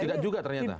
tidak juga ternyata